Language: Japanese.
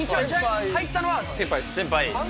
入ったのは先輩です。